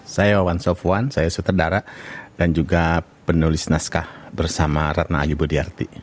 saya wansofwan saya sutradara dan juga penulis naskah bersama ratna ajibudiyarti